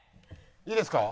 いいですか？